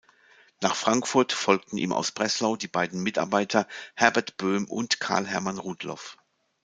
Nach Frankfurt folgten ihm aus Breslau die beiden Mitarbeiter Herbert Boehm und Carl-Hermann Rudloff.